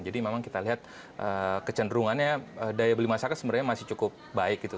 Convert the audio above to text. jadi memang kita lihat kecenderungannya daya beli masyarakat sebenarnya masih cukup baik gitu